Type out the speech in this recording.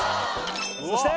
そして！